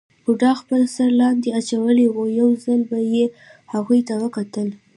بوډا خپل سر لاندې اچولی وو، یو ځل به یې هغوی ته کتل.